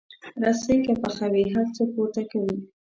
رسۍ که پخه وي، هر څه پورته کوي.